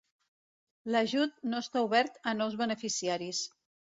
L'ajut no està obert a nous beneficiaris.